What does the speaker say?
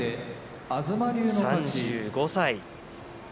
３５歳。